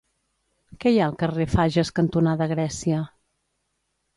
Què hi ha al carrer Fages cantonada Grècia?